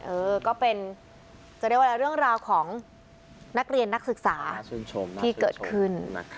เออก็เป็นจะเรียกว่าอะไรเรื่องราวของนักเรียนนักศึกษาที่เกิดขึ้น